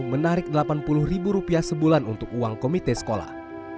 menarik rp delapan puluh ribu rupiah sebulan untuk uang komite sekolah